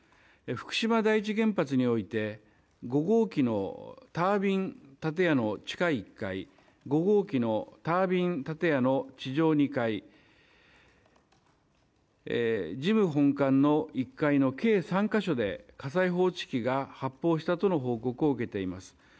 福島第一原発において５号機のタービン建屋の地下１階５号機のタービン建屋の地上２階事務本館の１階の計３か所で火災報知器が発報したとの報告を受けています。